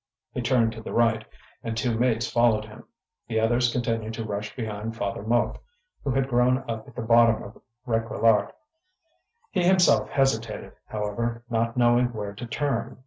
He turned to the right, and two mates followed him. The others continued to rush behind Father Mouque, who had grown up at the bottom of Réquillart. He himself hesitated, however, not knowing where to turn.